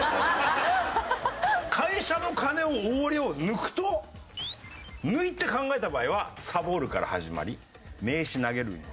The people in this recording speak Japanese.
「会社の金を横領」を抜くと抜いて考えた場合は「さぼる」から始まり「名刺投げる」に。